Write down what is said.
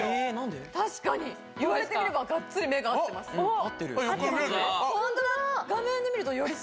確かに言われてみれば、がっつり目が合ってます。